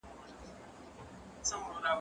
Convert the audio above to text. زه به سبا کتابتون ته ځم وم؟